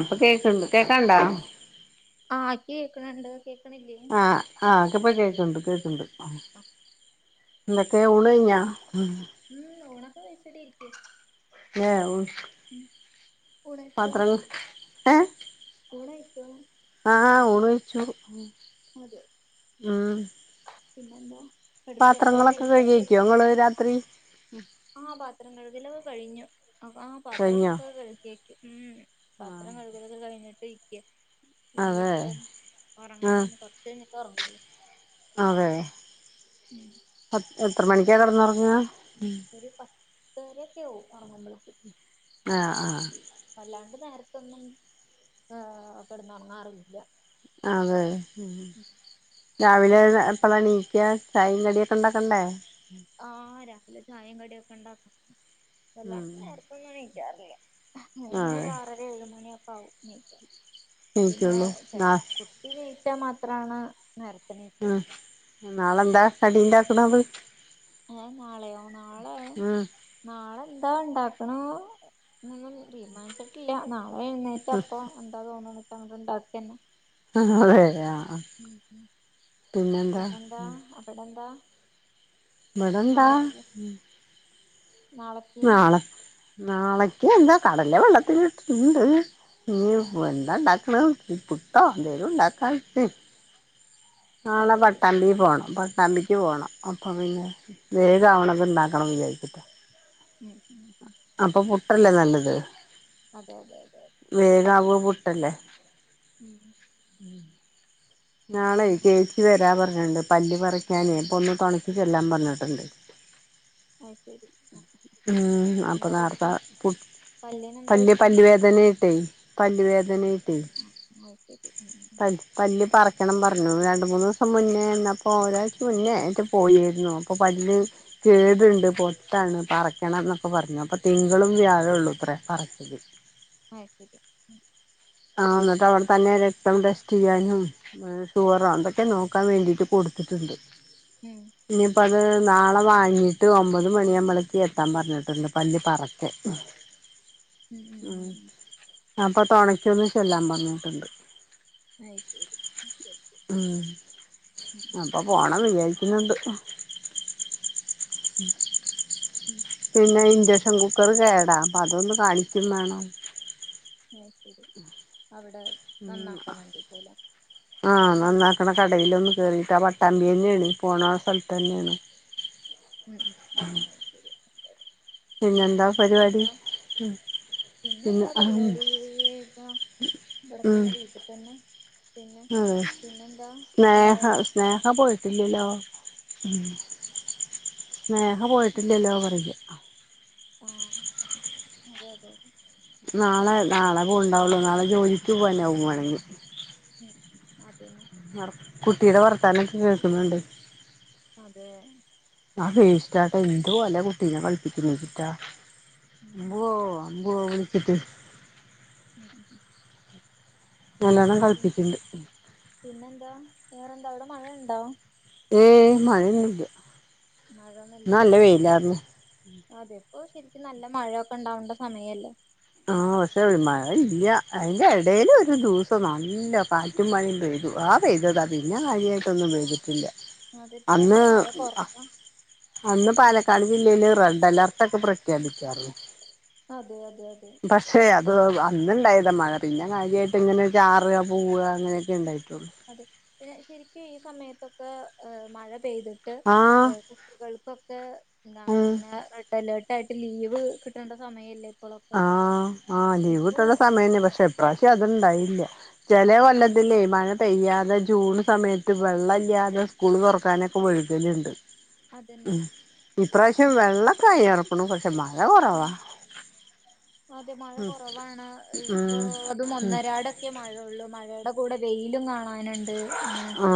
അപ്പൊ കേക്കണ്ട് കേക്കാന്ണ്ടോ? ആ കേക്കണണ്ട് കേക്കണില്ലേ ആ ആ ഇപ്പൊ കേക്കണ്ട് കേക്കണ്ട് ഇത്തെ ഉണ് കഴിഞ്ഞ?.. ഉം.. ഉണൊക്കെ കഴിച്ചിട്ട് ഇരിക്ക ഏ ഉം ഊണ് കഴിച്ചോ പന്ത്രണ് ഏ ഊണ് കഴിച്ചോ ആ ഊണ് കഴിച്ചു അതെ ഉം പിന്നെന്താ? കെടക്ക എപ്പളാ കെട പാത്രങ്ങളൊക്കെ കഴുകിവെക്കോ നിങ്ങള് രാത്രി? ആ പാത്രം കഴുകലൊക്ക കഴിഞ്ഞു ആ പാത്രം കഴിഞ്ഞോ ഒക്കെ കഴുകിവെക്കും ഉം.. ആഹ് പാത്രം കഴക്കലൊക്കെ കഴിഞ്ഞിട്ട് ഇരിക്ക അതെ ഇനിയിപ്പോം ആഹ് ഒറങ്ങണം കൊറച്ച് കഴിഞ്ഞിട്ടേ ഒറങ്കോളൂ അതെ എത്ർ എത്ര മണിക്കാ കിടന്നുറങ്ങാ? ഒര് പത്തരൊക്കെ ആവും ഉറങ്ങുബോളേക്കും ആ ആ ക്കൊന്നും ആ കിടന്നുറങ്ങാറില്ല അതെ രാവിലെ പിന്നെ ത് എപ്പളാ ഏണിക്ക? ചായേം കടിയൊക്കെ ഉണ്ടാക്കണ്ടേ? ആഹ് രാവിലെ ചായയും കടിയൊക്കെ ഉണ്ടാക്കും ഉം എല്ലാർക്കും നേരത്തെ എണി അതെ മോനൊര് ആറര ഏഴ് മണിയൊക്കെയാവും എണീക്കൻ പിന്നെ എണീക്കുള്ളൂ നാ കുത്തി വിട്ടാ മാത്രമാണ് നേര് ഉം നാളെന്താ കടിണ്ടാക്കണത്? ഏ നാളെയോ നാളെ ഉം നാളേ ന്താ ഇണ്ടാക്കണേ? ഒന്നും തീരുമാനിച്ചിട്ടില്ല നാളെ എഴുന്നേറ്റപ്പോം എന്താ തോന്നണ അങ്ങ ഇണ്ടാക്ക ന്നെ അതെ അതെ ആ മ്മ് മ്മ് പിന്നെന്താ ഇപ്പെന്താ അവിടെ എന്ത? ഇവടെന്താ. നാളെക്ക് നാളക്ക് എന്താ കടല വെള്ളത്തില് ഇട്ടിട്ടുണ്ട് ഉം ഇനിപ്പോ എന്താ ഉണ്ടാക്.. കള് ഈ പുട്ടോ? എന്തേലുമുണ്ടാക്കാം ഇട്ട് നാളെ അത് ശരി പട്ടാമ്പി പോണം പ ട്ടാമ്പിക്ക് പോണം അപ്പം പിന്നെ വേഗ ആവണത് ഉണ്ടാക്കണം വിചാരിച്ചിട്ട ഉം... പ്ളല്ലേ നല്ലത് അതെ അതെ അതെ... അല്ലേ ഉം ഉം [inaudible] നാളെ പിന്നെ ചേച്ചി വരാ പറഞ് ന്റെ പല്ല്പറിക്കാനേ അപ്പൊന്ന് തനിച്ച് ചെല്ലാം പറഞ്ഞിട്ടുണ്ട് അയിശരി ആ മ്മ് ഉം അപ്പൊ നേർത്തെ എന്താപറ്റിയേ? പല്ല് പല്ല് വേദനായിട്ടെ പല്ല് ആ വേദനായിട്ടേ ആ അത് ശരി ഉം പൽ പല്ല് പറി ന്നം പറഞ്ഞുണ് രണ്ട മൂന്ന് ദിവസം മുന്നേന്നപ്പോ ഒരാഴ്ച മുന്നേ യിട്ട് പോയിരുന്നു അപ്പൊ പല്ല് ഉം കേട് പൊത്താണ് പറിക്കണം ന്നൊക്കെ പറഞ്ഞു അപ്പൊ തിങ്കളും വ്യാഴമള്ളുഅത്ര പറിക്കല് ആത്തരി ആ ന്നിട്ട് അവിടെ തന്നെ രക്തം ടെസ്റ്റ് ചെയ്യാനും ഷുറോ ന്തൊക്കെ നോക്കാൻ വേണ്ടിട്ട് കൊടുത്തിട്ടുണ്ട് ഉം [unintelligible] ത് നാളെ വാങ്ങിട്ട് ഒമ്പത് മണി നമ്മളേക്കക്ക് എത്താൻ പറഞ്ഞിട്ടുണ്ട് പല്ലി പറക്ക ഉം ഉം ഉ ഉം ഉം. അപ്പൊ തുണക്കൊന്ന് ചെല്ലാൻ പറഞ്ഞിട്ട് ണ്ട് [unintelligible] ഓക്കെ ഓക്കെ ഉം പിനന്ത ഉം. പിന്നെ ഇൻഡക്ഷൻ കുക്കർ കേടാ അപ്പ അതൊന്ന് കാണിക്കും വേണം രി അവിടെ ഉം നന്നാക്കാൻ വേണ്ടിയിട്ടില്ല ആഹ് നന്നാക്കണ കടൽ ഒന്നന്ന് കേറിട്ട് ആ പട്ടാമ്പി തന്നെയാണ് പോണ സ്ഥലത്ത് തന്നെയാണ് ഉം ഉം ഉ അ ശരി പിന്നെ എന്താ പരിപാടി ഉ പിന്നെ എന്താ പരിപാടി ഏതാ ഇവിടെ തന്നെ വീട്ടിൽ തന്നെ പിന്നെ ആ പിന്നെന്താ സ്നേഹ ഏഹ് സ്നേഹ പോയിട്ട് ലി ലോ സ്നേഹ പോയിട്ടില്ലല്ലോ പറുക ആ അതെ അതെതെ നാളെ നാളെ പോ ഉണ്ടാവുള്ളു നാളെ ജോലിക്ക് പോന്നൊവക വേണെങ്കിൽ ഉം അതെന്ന ർ കുട്ടിയുടെ വർത്താനൊക്കെ കേൾക്കുന്നുണ്ട് അതെ ആ വേസ്റ്റാട്ട് എന്തു പോല കുട്ടീനെ കളിപ്പിക്കുന്ന വച്ചിട്ടാ ഉം ഉം അമ്പുവോ ബുവോ വുള്ച്ചിട്ട് ഉം ഉ നല്ലോണം കളിപ്പിക്കിണ്ട് പിന്നെന്താ വേറെന്താ അവിടെ മഴ ഉണ്ടോ ഏയ് മഴ ന്നുല്ല മഴന്നല്ലേ അതെ പ്പ ശരിക്കും നല്ല മഴയൊക്കെ ഉണ്ടാവണ്ട സമയല്ലേ ആഹ പക്ഷേ ഇല്ല അതിന്റെ ഇടൽ ഒരു ദിവസം നല്ല പാറ്റും പണ ആ പെയ്തതാ പിന്നെ കാര്യായിട്ടൊന്നും ചെയ്തിട്ടില്ല അതെ അന്ന് ഇപ്രാവശ്യം മഴ കൊറവാ അന്ന് പാലക്കാട് [unintelligible] റെഡിഅലെർട്ടൊക്കെ പ്രഖ്യാപിച്ച അതെ അതെ അതെ പക്ഷെ അത് അന്നണ്ടായതാ മഴ പിന്നെ കാര്യയിട്ട് ഇങ്ങനെ ചാറ പോവ്വാ അങ്ങനെയൊക്കെ ഉണ്ടായിട്ട് അതെ പിന്നെ ശരിക്കും ഈ സമയത്തൊക്കെ ഏ മഴ പെയ്തിട്ട് ആഹ് കുട്ടികൾക്കൊക്കെ ഉം എന്തങ്ങനെ റെഡ് അലേർട്ട ആയിട് ലീവ് കിട്ടേണ്ട സമയല്ലേ ഇപ്പോളൊക്കെ ആ ആഹ് ലീവ് ഇപ്പൊ കിട്ടണ്ട സമയന്നെ പക്ഷെ ഇപ്രാവശ്യം അത്ണ്ടായില്ല ചില ഉം വല്ലത്തി അല്ല ഈ മഴ പെയ്യാതെ ജൂൺ സമയത്ത് വെള്ളമല്ലാതെ സ്കൂൾ തുറക്കാനൊക്കെ വയ്‌കലുണ്ട് അതന്നെ ഇപ്രാവശ്യം വെള്ള അയറക്കുന്നു പക്ഷെ മഴ ഉം കുറവാ അതെ മഴ കുറവാണ് ഇപ്പൊ ഉം അതും ഉം ഒന്നരടൊക്കെ മഴയള്ളു മഴയുടെ കൂടെ വെയിലും കാണ ആ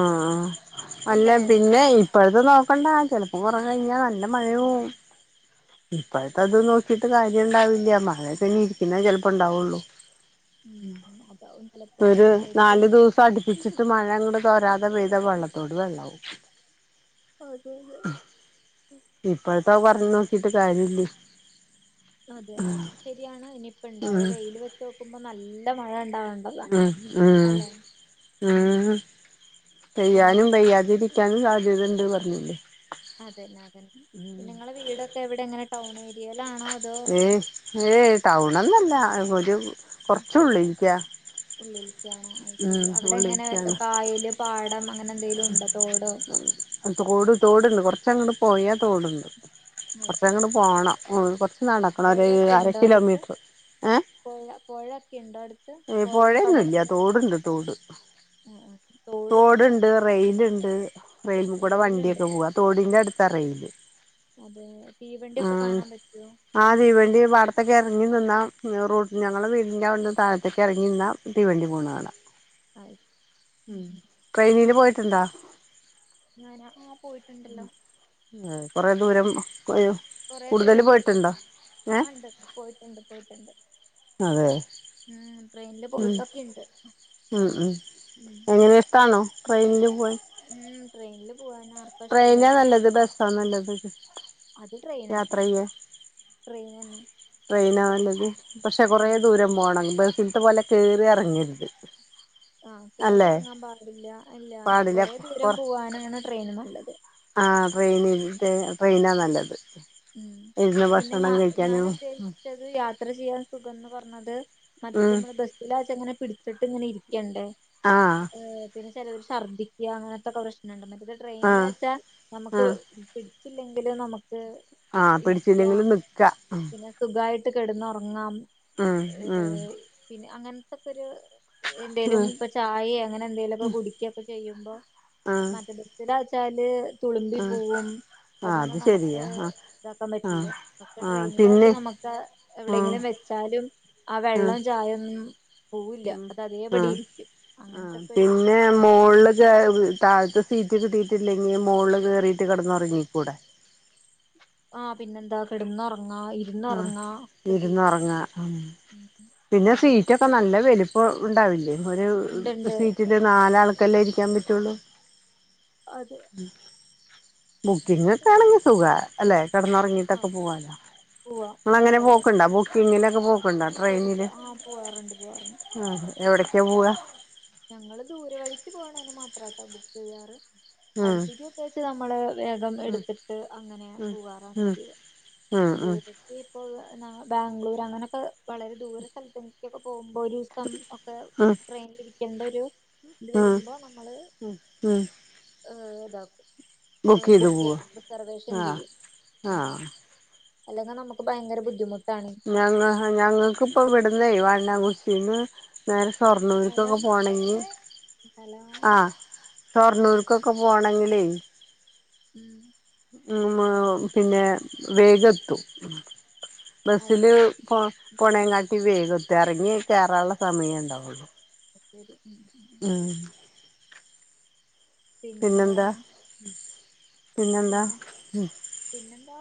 അല്ല അല്ലേ പിന്നെ ഇപ്പഴത്തെ നോക്കണ്ട ചിലപ്പോ ഇറ കഴിഞ്ഞാ നല്ല മഴും ഇപ്പായിട്ടത് അതെ നോക്കിട്ട് ക ഉണ്ടാവില്ല മഴേ പിന്നെ ഇരിക്കുന്ന ചെലപ്പോണ്ടാവുള്ളൂ ഉം അതാവും ചിലപ്പോ ഒരു ശരിക്കും നാലു ദിവസം അടുപ്പിച്ചി മഴ കൊണ്ട് തോരാതെ പെയ്ത വെള്ളത്തോട് വെള്ളവും അതെ അതെ. [unintelligible] [unintelligible] പറഞ്ഞു നോക്കിട്ട് കാരില്ല്യേ. അതെയല്ല അതും ശരിയാണ് ഇനിയിപ്പ ഇണ്ടായ ഉം വെയിയില് വെച്ച് നോക്കുമ്പോ നല്ല മഴ ഉണ്ടാവണ്ട്. ഉം ഉം ഉം. പിന്നെ പെയ്യാനും പെയ്യാതിരിക്ക പിക്കനും സാധ്യതയിണ്ട് പറഞ്ഞില്ലേ? അതന്നെ, അതന്നെ പിന്നെ നിങ്ങളെ വീടൊക്കെ എവിടെ? എങ്ങനെ ടൗൺ ഏരിയ ഏയ്, ഏയ് ടൗണൊന്നല്ല ഒരു കുറച്ചുള്ളിക്കാ. ഉള്ളിലക്കാണൊ ആ ശരി. അവിടെ എങ്ങനെ ഉള്ളിൽക്കാണ് കായല് പാടം അങ്ങനെ എന്തെങ്കലും ഉണ്ടോ? തോടോ തോട് തോടുണ്ട്, കൊറച്ചങ്ങോട്ട് പോയാ തോടുണ്ട്. അത് ശരി കുറച്ചങ്ങിട് പോണം. ഉം കൊർ നടക്കണം ഒരു പുഴയൊക്കെ അര ഉണ്ടോ അടുത്ത് കിലോമീറ്റർ. ഏ? പുഴ പുഴയൊക്കെ ഉണ്ടോ അടുത്ത് പുഴയും പുഴയൊന്നും ഇല്ല്യാ, കടലൊക്കെ തോടുണ്ട് തോട്. ആ ആ തോട് തൊടുണ്ട്, റെയിലിണ്ട്. റെയിലിൽ കൂട റീലുണ്ട് വണ്ടിയൊക്കെ പോവാ, തോടിന്റടുത്താ റെയില്. അത് ആ തീവണ്ടിയൊക്കെ കാണാൻ പറ്റുവോ ആ തീവണ്ടി പാടത്തേക്കെറങ്ങി നിന്നാ റൂട്ട് ഞങ്ങള് വീടിന്റെ അവി താഴത്തേക്ക് ഇറങ്ങി നിന്നാ തീവണ്ടി പോണ കാണാം. അത് ഉം. ട്രെയിനില് പോയിട്ടിണ്ട? ഞാനാ? ആ പോയിട്ടുണ്ടല്ലോ. കുറേ ദൂരം? കൊറെ കൂടുതൽ ദൂരം പോയിട്ടുണ്ടോ പോയിട്ടുണ്ട്, ഏ ആഹ് ഇണ്ട് ഇണ്ട് പോയിട്ടിണ്ട് പോയിട്ടിണ്ട്. അതെ. ഉം പോയിട്ടൊക്കെണ്ട് ഉം ഉം ഉം എങ്ങനെ ഇഷ്ടാണോ ട്രെയിനില് പോവാൻ? ഉം ട്രെയിനിലും ട്രെയിനാ നല്ലത്, ബസ്സാ നല്ലത്, യാത്ര ചെയ്യാൻ? ട്രെയിൻ തന്നെ. ന്നത് പക്ഷെ കൊറെേ ദൂരം പോണം, ബസിലത്തെ പോലെ കേറി ഇറങ്ങരുത്. ആഹ് കേറി അല്ലെ ഇറങ്ങാൻ പാടില്ല, അല്ല പാടില്ല കൊറെ ദൂരം പോവാനാണ് ട്രെയിൻ നല്ലത്. ആഹ് ട്രെയിന്, ട്രെയിനാ നല്ലത്. ഉം, ഇരുന്ന് പിന്നെ ഞാ ഭക്ഷണം ഞാൻ കഴിക്കാനും ഉദ്ദേശിച്ചത് യാത്ര ചെയ്യാൻ സുഖംന്ന് പറഞ്ഞത് മറ്റത് ഉം നമ്മുടെ ബസ്സലാച്ചങ്ങനെ പിടിച്ചിട്ട് ഇങ്ങനെ ഇരിക്കണ്ടേ? ആഹ് പിന്നെ ചേലോര് ശ ഛർദ്ദിക്കുക അങ്ങനത്തെൊക്കെ പ്രശ്നുണ്ട്, മറ്റേത് ആഹ് ട്രെയിനിലാച്ച നമുക്ക് ആഹ് പിടി ച്ചില്ലെങ്കിലും നമക്ക് ആഹ്, പിടിച്ചില്ലെങ്കിലും നിക്ക. കിടന്നുറങ്ങാം. ഉം ഉം. അങ്ങനത്തൊക്കെ ഒരു എന്തേലും, ഉം ഇപ്പൊ ചായ അങ്ങനെ എന്തെലുമൊക്കെ കുടിക്കുകൊക്കെ ചെയ്യുമ്പോ ആഹ് മറ്റേ ബസ്സിലാച്ചാല് തുളുമ്പി ആഹ് പോവും, ആഹ് അത് അതൊന്നും നമുക്ക് ശരിയാ ആഹ് ഇതാക്കാൻ പറ്റില്ല, ആഹ് പക്ഷെ ആഹ് പിന്നെ ട്രെയിനിലാച്ചൽ നമുക്ക് ആഹ് എവിടെയെങ്കിലും വെച്ചാലും, ആ വെള്ളം ചായൊന്നും പോവില്ല ഉ, അത് അതേപടി ഉം. ഇരിക്കും അങ്ങനത്തൊക്കെ ഒരു പിന്നെ [unintelligible] താഴത്ത് സീറ്റ് കിട്ടീട്ടില്ലെങ്കി മോള്ള് കേറിട്ട് കിടന്നുറങ്ങിക്കൂടെ? ആഹ്, പിന്നെന്താ കിടുന്നറ ആഹ് ഇരിന്ന് ഒറങ്ങ, ഉം അപ്പൊ പിന്നെ അത് സീറ്റൊക്കെ നല്ല വലുപ്പ ഇപ്പ ഇണ്ടാവില്ലേ? ഒരു ഇണ്ട് ഇണ്ട് സീറ്റില് നാലാൾക്കല്ലേ ഇരിക്കാൻ പറ്റുള്ളു? അതെ. ബുക്കിംഗ് ഒക്കെ ആണെങ്കി സുഖാ, അല്ലെ? ആ കിടന്നുറങ്ങിട്ടൊക്കെ പോവാലോ. പോവാ നിങ്ങളങ്ങിനെ റിസർവേഷൻ പോക്കിണ്ടാ? ബുക്കിങ്ങിലൊക്കെ പോക്കിണ്ടാ? ബുക്ക് ചെയ്തിട്ട് ട്രെയിനില്? ആ പോവാറുണ്ട് പോവാറുണ്ട് ആ എവിടേ ക്യാ പോവാ? ഞങ്ങള് ദൂരെ വഴിക്ക് പോകണേന് മാത്രട്ടാ ബുക്ക് ചെയ്യാറ്. ഉം അടുതേക് ഒക്കെച നമ്മള് വേഗം ഉം എടുത്തിട്ട് അങ്ങനെ ഉം പോകാറാണ് പതിവ്. ഉം ഉം ഉം ദൂരേക്ക് ഇപ്പൊ, ബാംഗ്ലൂർ അങ്ങനൊക്കെ വളരെ ദൂര സ്ഥലത്തേക്കൊക്കെ പോകുമ്പോ ഒരു ദിവസം ഒക്കെ ഉം ട്രെയിനിൽ ഇരിക്കേണ്ട ഒരു ഇത് ഉം വരുമ്പോ നമ്മള് ഉം ഏ ചെയ്ത് ബുക്ക് പോവാ ചെയ്യും റിസർവേഷൻ ആഹ് ചെയ്യും അങ്ങനെ ആഹ് അല്ലെങ്കിൽ നമുക്ക് ഭയങ്കര ബുദ്ധിമുട്ട് മം ഷൊർണ്ണൂർക്കൊക്കെ സ്ഥലൊന്നും പോണെങ്കി അല്ലേ സ്ഥലം ആ ഷൊർണ്ണൂർ ക്കൊക്കെ പോകണമെങ്കിലേ ഉം പിന്നെ വേഗം എത്തും അത് ബസ്സില് ശരി പോ പോണേ കാട്ടി വേഗം എത്തും ഇറങ്ങി കയറാനുള്ള സമയം ഉണ്ടാവുള്ളു അത് ശരി ഉം ഉം ഉ പിന്നെന്താ പിന്നെന്താ പിന്നെ പിന്നെന്താ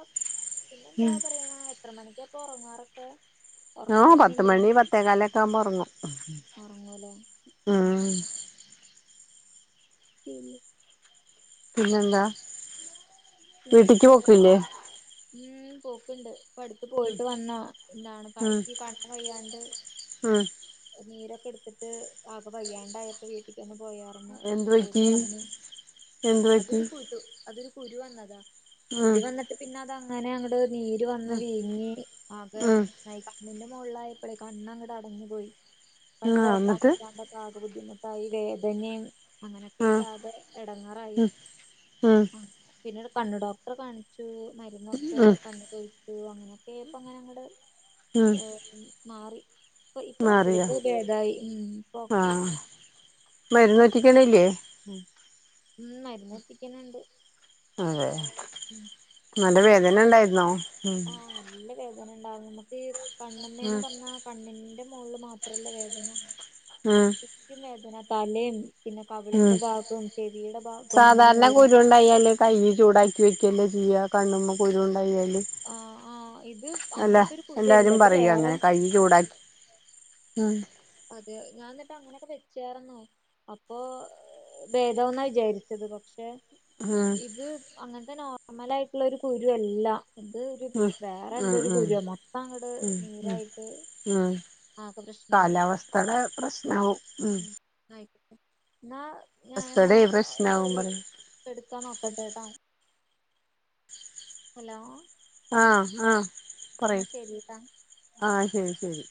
പിന്നെന്താ ഉം പറയണ എത്ര മണിക്കാപ്പ ഉറങ്ങാറൊക്കെ ആ ഉറക്കം പത്ത് വരുന്നില്ലേ മണി പത്തേകാല് ഒക്കെ ആവുമ്പ ഉറങ്ങും ഉറങ്ങൂലേ [inaudible] പിന്നെ പിന്നെന്താ വീട്ടിക്ക് പിന്നെന്താ പറയാ പോക്കില്ലേ ഉം പോക്ക്ണ്ട് ഇപ്പോ അടുത്ത് പോയിട്ട് വന്ന എന്താണ് ഉം ഇന്കി കണ്ണ് വയ്യാണ്ട് ഉം നീരെക്കെ എടുത്തിട്ട് ആക വയ്യാണ്ടായപ്പോ വീട്ടിക്ക് പോയാർന്നു എന്ത് പോയിട്ട് പറ്റി വന്നു എന്ത് പറ്റി അതൊരു കുരു അതൊരു കുരു വന്നതാ ഉം കുരു വന്നിട്ട് പിന്നെ അത് അങ്ങനെ അങ്ങട് നീര് വന്ന് ഉം വീങ്ങി ആകെ പ്രശ്നം ആയി കണ്ണിലും മുകളിൽ ആയപ്പഴെ കണ്ണ് അങ്ങട് അടഞ് പോയി കണ്ണ് ഉം ആ തുറക്കാൻ എന്നിട്ട് പറ്റാണ്ടെക്കെ ബുദ്ധിമുട്ടായി വേദനയും അങ്ങനൊക്കെ ഉം ആയിട്ട് ആകെ ഇടങ്ങാറായി ഉം ഉം ആ പിന്നെ കണ്ട് ഡോക്ടറെ കാണിച്ചു മരുന്നൊക്കെ ഉം കണ്ണിലൊഴിച്ചു അങ്ങനെയൊക്കെപ്പോ അങ്ങനെ അങ്ങട് ഉം മാറി ഇ ഇപ്പോ കൊയപ്പല്ല മാറിയോ ഇപ്പൊ ബേതായി ഇപ്പൊ ഒക്കെ ആയി മരുന്നോറ്റിക്കണല്ലേ ഉം മരുന്ന് ഒറ്റിക്കാനുണ്ട് അതെ നല്ല വേദന ഉണ്ടായിരുന്നോ ഉം ആ നല്ല വേദന ഉണ്ടാവും നമ്മുക്ക് ഈ കണ്ണമ്മന്ന് ഉം പറഞ്ഞാ കണ്ണിന്റെ മുകളിൽ മാത്രല്ല വേദന ഉം ചുറ്റും വേദന തലയും പിന്നെ ഉം കവിളിന്റെ ഭാഗവും ചെവിയുടെ ഭാഗവും അങ്ങനെ സാധാരണ മു കുരു ഉണ്ടായാല് കൈ ചൂടാക്കി വെ ല്ലെ ചെയ്യ കണ്ണുമ്മേ കുരുണ്ടായാല് ആ ആ ഇത് അല്ലേ അങ്ങനത്തെ ഒരു കുരുവല്ല എല്ലാരും ഇത് പറയും വേറെ അങ്ങനെ കൈ ചൂടാക്കി അതെ ഞാൻ എന്നിട്ട് അങ്ങനെയൊക്കെ വെച്ചാർന്നു അപ്പൊ ഭേദം ആവുന്നാ വിചാരിച്ചത് പക്ഷെ ആ ഇത് അങ്ങനത്തെ നോർമലായിട്ടുള്ള ഒരു കുരുവല്ല ഇത് ഒരു ഉം വേറെ എന്തോ ഉം ഒരു ഉം കുരുവാ മൊത്തം അങ്ങട്ട് ഉം ഉം നീരായിട്ട്- ഉം ആകെ പ്രശ്നായി പ്രശ്നം ആവും ഉം ആയിക്കോട്ടെ എന്നാ ഞാനെന്നാ പ്രശ്നം ആവും ശരി പറഞ് എടുക്കാൻ നോക്കട്ടെട്ടോ ഹലോ ആ ആ ആ ശരിട്ടാ ഉം ശരി